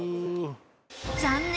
残念！